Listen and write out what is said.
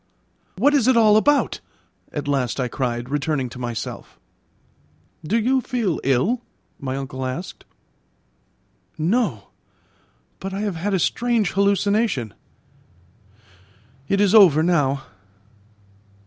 "What is it all about?" at last I cried, returning to myself. "Do you feel ill?" my uncle asked. "No; but I have had a strange hallucination; it is over now.